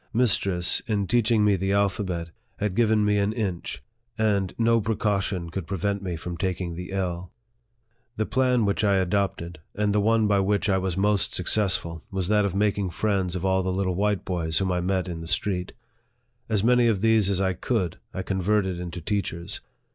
Mistress, in teaching me the alphabet, had given me the inch, and no precaution could prevent me from taking the ell The plan which I adopted, and the one by which I was most successful, was that of making friends of all the little white boys whom I met in the street. As many of these as I could, I converted into teachers.